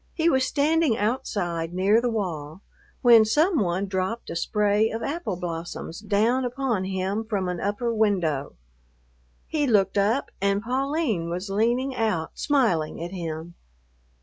He was standing outside near the wall, when some one dropped a spray of apple blossoms down upon him from an upper window. He looked up and Pauline was leaning out smiling at him.